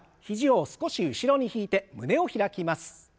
肘を少し後ろに引いて胸を開きます。